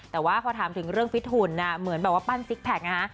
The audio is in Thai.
แต่ว่าพอถามถึงเรื่องฟิตหุ่นเหมือนแบบว่าปั้นซิกแพคนะฮะ